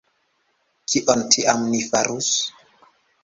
Kion tiam ni farus?